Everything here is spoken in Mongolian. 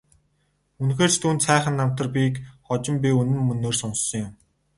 Үнэхээр ч түүнд сайхан намтар бийг хожим би үнэн мөнөөр нь сонссон юм.